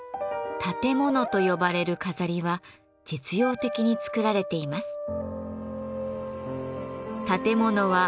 立て物と呼ばれる飾りは実用的に作られています。